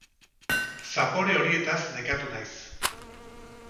Zapore horietaz nekatu naiz.